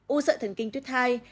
u sợi thần kinh tuyết thai